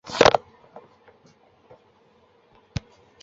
大坪山遗址的历史年代为春秋战国。